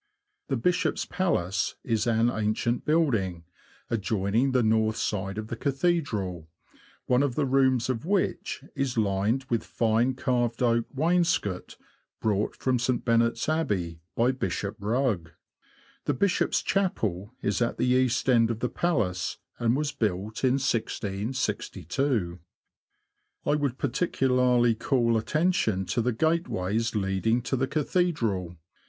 The Bishop's Palace is an ancient building, adjoin Panel— Norwich Cathedral. ing the north side of the Cathedral, one of the rooms 74 THE LAND OF THE BROADS. of which is lined with fine carved oak wainscot, brought from St. Benet's Abbey, by Bishop Rugg. The Bishop's Chapel is at the east end of the Palace, and was built in 1662. I would particularly call attention to the gateways leading to the Cathedral.